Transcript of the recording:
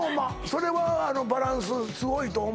それはあのバランスすごいと思う